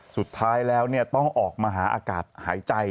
สุดท้ายแล้วต้องออกมาหาอากาศหายใจ